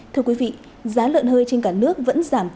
thưa quý vị giá lợn hơi trên cả nước vẫn giảm